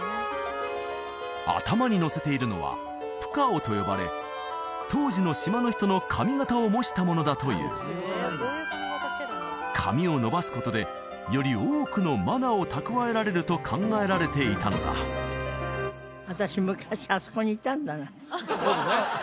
頭にのせているのはプカオと呼ばれ当時の島の人の髪形を模したものだという髪を伸ばすことでより多くのマナを蓄えられると考えられていたのだそうですね